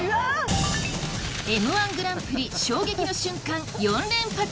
Ｍ−１グランプリ衝撃の瞬間４連発！